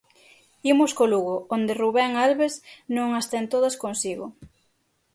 Imos co Lugo, onde Rubén Albés non as ten todas consigo.